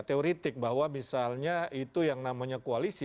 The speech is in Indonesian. teoretik bahwa misalnya itu yang namanya koalisi